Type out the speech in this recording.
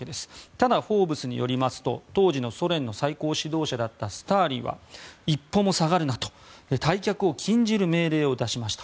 ただ、フォーブスによりますと当時のソ連の最高指導者だったスターリンは一歩も下がるなと退却を禁じる命令を出しました。